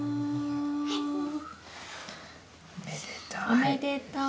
おめでとう。